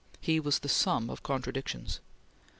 He was the sum of contradictions.